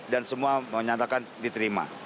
dan semua menyatakan diterima